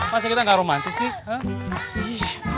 masa kita gak romantis sih